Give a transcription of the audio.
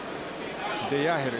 デヤーヘル。